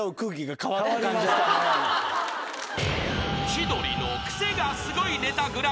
［『千鳥のクセがスゴいネタＧＰ』］